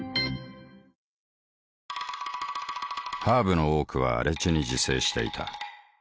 ハーブの多くは荒地に自生していた。